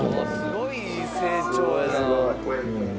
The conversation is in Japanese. すごい成長やな。